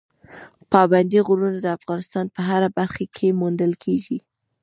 پابندي غرونه د افغانستان په هره برخه کې موندل کېږي.